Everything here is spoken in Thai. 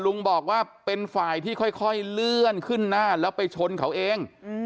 ลุงบอกว่าเป็นฝ่ายที่ค่อยเลื่อนขึ้นหน้าแล้วไปชนเขาเอง